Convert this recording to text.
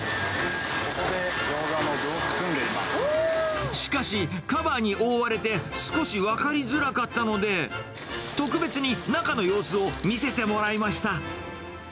ここでギョーザの具を包んでしかし、カバーに覆われて少し分かりづらかったので、特別に中の様子を見せてもらいました。